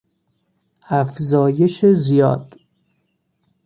افزایش زیاد